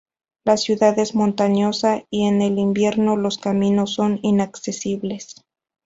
La ciudad es montañosa y en el invierno los caminos son inaccesibles.